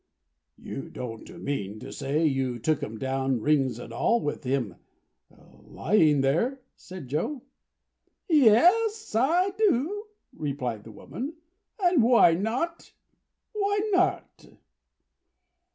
"You don't mean to say you took 'em down rings and all, with him lying there?" said Joe. "Yes, I do," replied the woman. "Why not?"